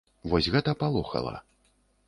І вось гэта палохала.